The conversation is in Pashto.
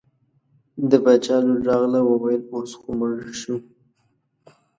د باچا لور راغله وویل اوس خو مړ شو.